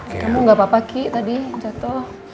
kamu gak apa apa ki tadi jatuh